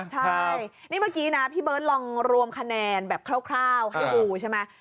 ใช่นี่เมื่อกี้นะพี่เบิร์ตลองรวมคะแนนแบบคร่าวให้ดูใช่ไหม